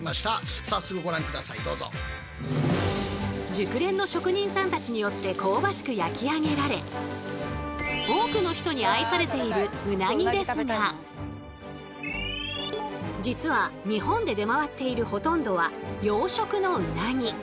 熟練の職人さんたちによって香ばしく焼き上げられ多くの人に実は日本で出回っているほとんどは養殖のうなぎ。